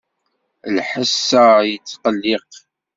Lḥess-a yettqelliq.